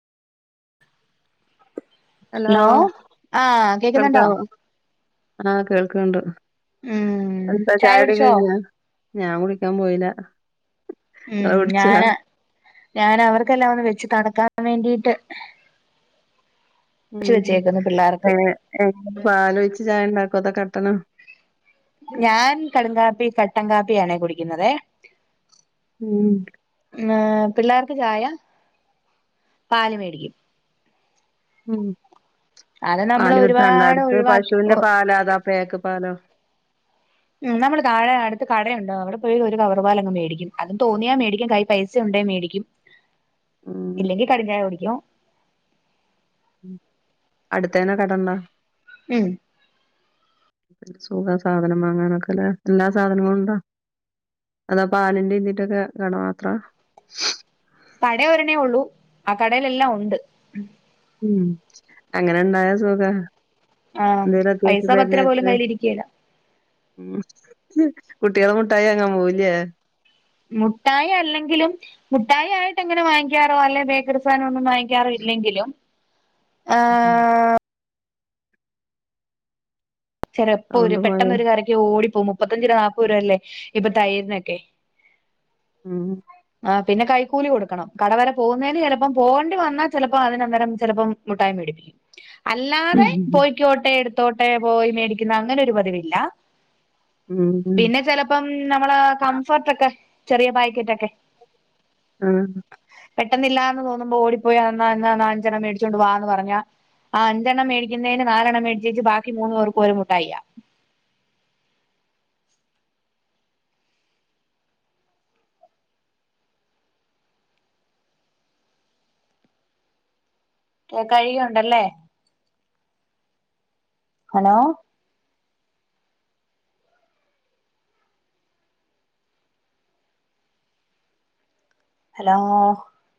hello ആഹ് കേക്കുന്നുണ്ടോ കേൾക്കാവോ ആഹ കേൾക്കണ്ട് ഉം എന്താ ചായ ചായുടി കുടിച്ചോ കയ്ഞ്ഞ ഞാൻ കുടിക്കാൻ പോയില്ല ഇങ്ങള് ഉം കുടിച്ചോ ഞാന ഞാന് അവർക്കെല്ലാം ഒന്ന് വെച്ച് തണക്കാൻ വേണ്ടിട്ട് ഉ വെച്ച് വെച്ചേക്കുന്നു പിള്ളേർക്ക് പാലോയ്ച്ച ചായ ഉണ്ടാക്കോ അതോ കട്ടനോ ഞാൻ കടുംകാപ്പി കട്ടൻ കാപ്പിയാണേ കുടിക്കുന്നത് ഉം പിള്ളേർക്ക് ചായ പാല് മേടിക്കും ഉം അത് നമ്മൾ പാല് കിട്ടാണ്ട ഒരുപാട് അട്ത്ത് ഒഴിവാക്കി പശുന്റെ പാലാ അതോ പേക്ക് പാലോ ഉ നമ്മള് താഴേ അടുത്ത് കടയുണ്ടേ അവിടെ പോയി ഒരു കവറ്പാലാങ് മേടിക്കും അതും തോന്നിയാൽ മേടിക്കുംകയ്യി പൈസ ഉണ്ടേൽ മേടിക്കും ഉം ഇല്ലെങ്കി കടുംചായ കുടിക്കും അടുത്തേന്നെ കടണ്ടോ ഉം എന്ത് സുഖാ സാധനം വാങ്ങാനൊക്കെലേ എല്ലാ സാധനും ഉണ്ടോ അതോ പാലിന്റെ ഇതിൻ്റോക്കെ കട മാത്ര കട ഒരണ്ണേ ഉള്ളൂ ആ കടയിലെല്ലാം ഒണ്ട് ഉം അങ്ങനെ ഇണ്ടായ സുഖ ആഹ് ന്തേലും പൈസ അത്യവിശൃം പത്ത് രൂപ പോലും വേര്ണേരത്ത് കയ്യിലിരിക്കേല ഉം കുട്ടിൃള് മുട്ടായി അങ്ങാൻ പോവുംല്ലേ മുട്ടായി അല്ലെങ്കിലും മുട്ടായിായിട്ട്ങ്ങനെ വാങ്ങിക്കാറോ അല്ലെ ബേക്കറി സാധനം ഒന്നും വാ റില്ലെങ്കിലും ഉം ഉം ചെലപ്പോ ഒരു സൗണ്ട് പോയോ പെട്ടൊന്ന് ഒരു കറിക്ക് ഓടിപ്പോ മുപ്പത്തഞ്ചു രൂപ നാല്പ്പത് രൂപ അല്ലേ ഇപ്പൊ തൈരിനൊക്കെ ഉം ആ പിന്നെ കൈക്കൂലി കൊടുക്കണം കടവരെ പോകുന്നതിന് ചിലപ്പം പോകേണ്ടി വന്നാൽ ചിലപ്പോ അതിനന്തേരം ചിലപ്പം മൂട്ടായി മേടി അല്ലാതെ പോയ്ക്കോട്ടെ എടുത്തോട്ടെ പോയി മേടിക്കുന്ന അങ്ങനെ ഒരു പതിവില്ല പിന്നെ ചെലപ്പം നമ്മളേ കംഫർട്ട് ഒക്കെ ചെറിയ പായ്ക്കറ്റ്ക്കോ ആ ഹ് പെട്ടെന്നില്ലാ എന്ന് തോന്നുമ്പോ ഓടിപ്പോയി അാാ നാലഞ്ചന മേടിച്ചോണ്ട് വാന്ന് പറഞ്ഞ ആ അഞ്ചെണ്ണം മേടിക്കുന്നതിന് നാലെണ്ണം മേടിച്ചേച്ച് ബാക്കി മൂന്നുേർക്ക് ഒരുമട്ടായിയ്യ കേക്കായികയുണ്ടല്ലേ ഹലോ ഹലോ